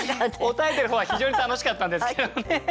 答えてる方は非常に楽しかったんですけどね。